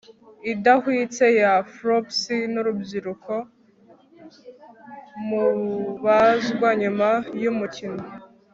idahwitse ya flops nurubyiruko mubazwa nyuma yumukino